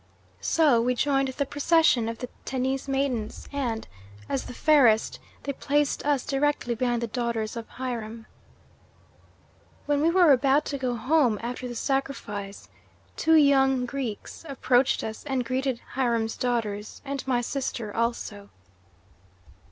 So we joined the procession of the Tennis maidens and, as the fairest, they placed us directly behind the daughters of Hiram. "When we were about to go home after the sacrifice, two young Greeks approached us and greeted Hiram's daughters and my sister also.